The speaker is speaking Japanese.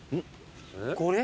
これ？